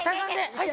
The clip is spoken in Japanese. はい